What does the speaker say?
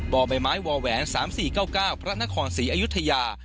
บ่อใบไม้วแหวน๓๔๙๙พระนครศรีอยุธยา